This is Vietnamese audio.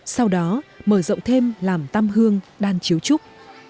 sau đó mở rộng thêm làm tam hương đan chiếu trúc